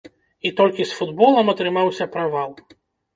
І толькі з футболам атрымаўся правал.